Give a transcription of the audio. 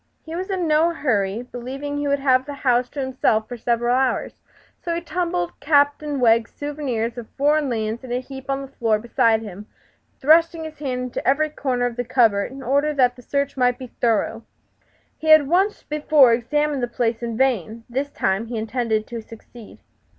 He was in no hurry, believing he would have the house to himself for several hours; so he tumbled Captain Wegg's souvenirs of foreign lands in a heap on the floor beside him, thrusting his hand into every corner of the cupboard in order that the search might be thorough. He had once before examined the place in vain; this time he intended to succeed.